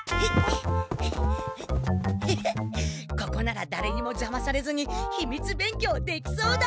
フフッここならだれにもじゃまされずに秘密勉強できそうだ！